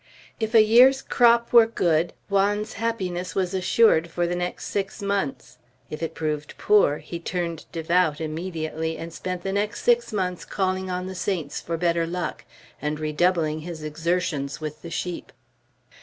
If a year's crop were good, Juan's happiness was assured for the next six months. If it proved poor, he turned devout immediately, and spent the next six months calling on the saints for better luck, and redoubling his exertions with the sheep.